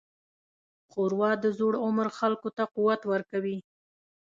ښوروا د زوړ عمر خلکو ته قوت ورکوي.